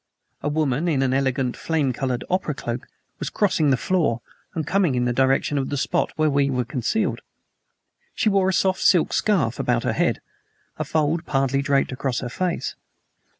A woman in an elegant, flame colored opera cloak was crossing the floor and coming in the direction of the spot where we were concealed. She wore a soft silk scarf about her head, a fold partly draped across her face.